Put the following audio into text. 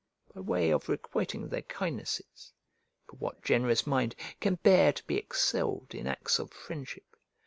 By way of requiting their kindnesses (for what generous mind can bear to be excelled in acts of friendship?)